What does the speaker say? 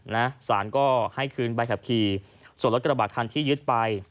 นะศาลก็ให้คืนใบขับขี่ส่วนรถกระบาดคันที่ยึดไป